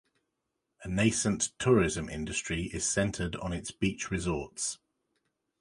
A nascent tourism industry is centered on its beach resorts.